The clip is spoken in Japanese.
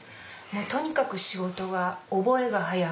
とにかく仕事が覚えが早くって。